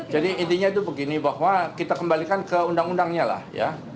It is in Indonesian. jadi intinya itu begini bahwa kita kembalikan ke undang undangnya lah ya